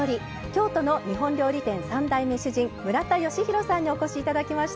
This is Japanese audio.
京都の日本料理店３代目主人村田吉弘さんにお越しいただきました。